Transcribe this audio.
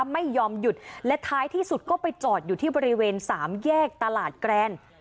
ไม่ยอมหยุดและท้ายที่สุดก็ไปจอดอยู่ที่บริเวณสามแยกตลาดแกรน